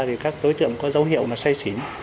thì các đối tượng có dấu hiệu mà say xín